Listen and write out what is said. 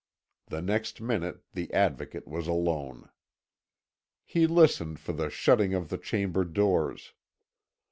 The next minute the Advocate was alone. He listened for the shutting of their chamber doors.